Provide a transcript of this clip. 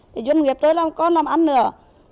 thì doanh nghiệp tôi là con làm ăn nữa